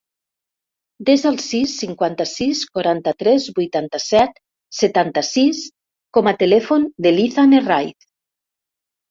Desa el sis, cinquanta-sis, quaranta-tres, vuitanta-set, setanta-sis com a telèfon de l'Izan Herraiz.